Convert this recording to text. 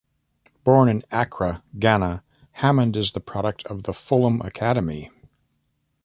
Born in Accra, Ghana, Hammond is a product of the Fulham Academy.